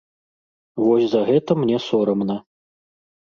Вось за гэта мне сорамна.